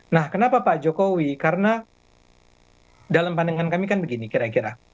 nah kenapa pak jokowi karena dalam pandangan kami kan begini kira kira